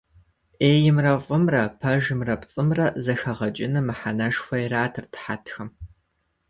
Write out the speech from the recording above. Ӏеймрэ фӏымрэ, пэжымрэ пцӏымрэ зэхэгъэкӏыным мыхьэнэшхуэ иратырт хьэтхэм.